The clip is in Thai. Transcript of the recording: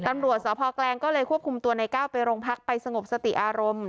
ตำรวจสพแกลงก็เลยควบคุมตัวในก้าวไปโรงพักไปสงบสติอารมณ์